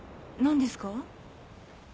何ですか？